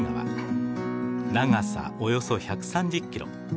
長さおよそ１３０キロ。